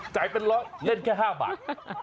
จ่ายเป็นร้อยเล่นแค่๕บาท